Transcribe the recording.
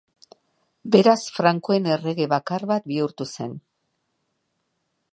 Beraz, Frankoen errege bakar bihurtu zen.